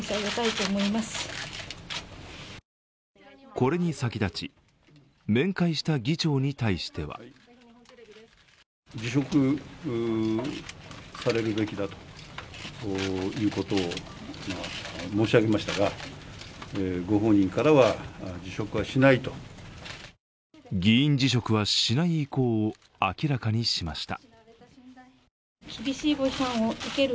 これに先立ち、面会した議長に対しては議員辞職はしない意向を明らかにしました。